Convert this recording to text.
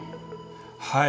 はい。